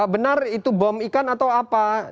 benar itu bom ikan atau apa